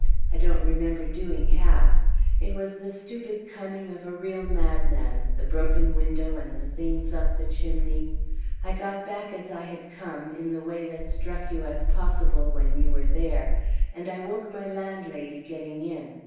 I don't remember doing half. It was the stupid cunning of a real madman, the broken window, and the things up the chimney. I got back as I had come, in the way that struck you as possible when you were there, and I woke my landlady getting in.